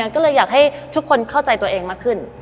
ก็เลยอยากให้ทุกคนเข้าใจตัวเองมากขึ้น